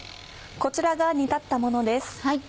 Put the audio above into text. こちらが煮立ったものです。